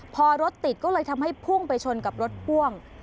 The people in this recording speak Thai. พอรถติดก็เลยทำให้พุ่งไปชนกับรถพ่วง